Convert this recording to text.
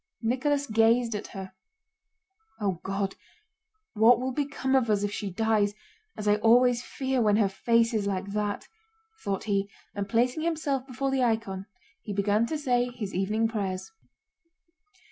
Nicholas gazed at her. "O God! What will become of us if she dies, as I always fear when her face is like that?" thought he, and placing himself before the icon he began to say his evening prayers.